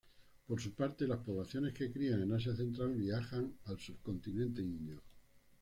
Por su parte las poblaciones que crían en Asia central viajan al Subcontinente indio.